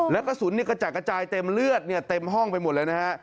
แล้วกระสุนเนี้ยกระจ่ายกระจายเต็มเลือดเนี้ยเต็มห้องไปหมดเลยนะฮะ